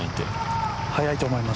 速いと思います。